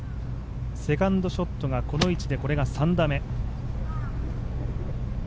セカンドショットがこの位置でこれが３打目。